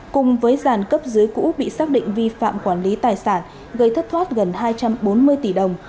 cùng với dàn cấp dưới cũ bị xác định vi phạm quản lý tài sản gây thất thoát gần hai trăm bốn mươi tỷ đồng